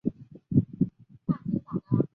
它是遗传物质的最小单位。